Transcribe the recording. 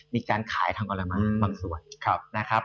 มีการขายทางอรมณ์มาบางส่วน